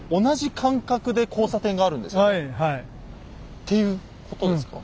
っていうことですか？